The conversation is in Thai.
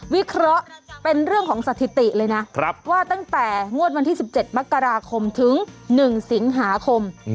วิเคราะห์เป็นเรื่องของสถิติเลยนะว่าตั้งแต่งวดวันที่๑๗มกราคมถึง๑สิงหาคม